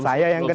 saya yang kena